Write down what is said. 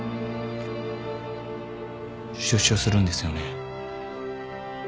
出所するんですよね？